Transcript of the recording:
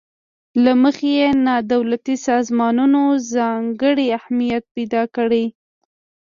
له مخې یې نا دولتي سازمانونو ځانګړی اهمیت پیداکړی.